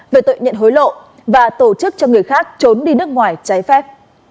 bộ tư lệnh hối lộ và tổ chức cho người khác trốn đi nước ngoài trái phép